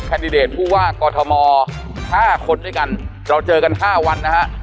ดิเดตผู้ว่ากอทม๕คนด้วยกันเราเจอกัน๕วันนะฮะ